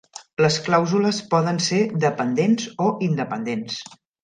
Les clàusules poden ser dependents o independents.